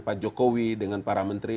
pak jokowi dengan para menteri